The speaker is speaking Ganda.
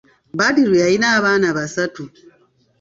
Badru yalina abaana basatu.